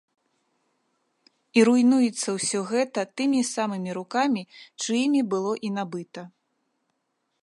І руйнуецца ўсё гэта тымі самымі рукамі, чыімі было і набыта.